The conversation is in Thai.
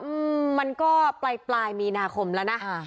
อืมมันก็ปลายปลายมีนาคมแล้วนะอ่า